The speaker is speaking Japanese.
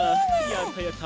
やったやった。